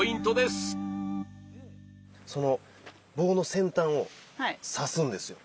その棒の先端を挿すんですよ。